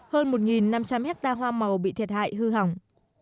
hơn một năm trăm linh hectare hoa màu bị thiệt hại hư hỏng